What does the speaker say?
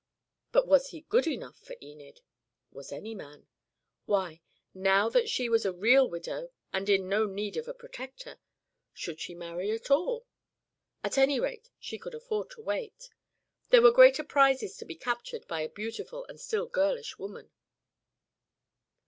But was he good enough for Enid? Was any man? Why, now that she was a real widow and in no need of a protector, should she marry at all? At any rate she could afford to wait. There were greater prizes to be captured by a beautiful and still girlish woman.